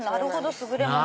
優れもの。